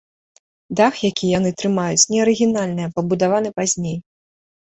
Дах, які яны трымаюць, не арыгінальны, а пабудаваны пазней.